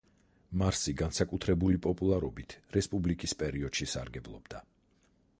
მარსი განსაკუთრებული პოპულარობით რესპუბლიკის პერიოდში სარგებლობდა.